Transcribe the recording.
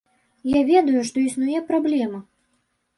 Я ведаю, што існуе праблема.